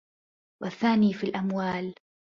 وَالثَّانِي فِي الْأَمْوَالِ